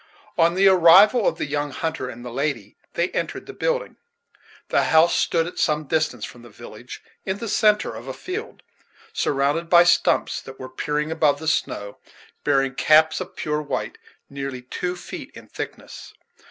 On the arrival of the young hunter and the lady, they entered the building. The house stood at some distance from the village, in the centre of a field, surrounded by stumps that were peering above the snow, bearing caps of pure white, nearly two feet in thickness.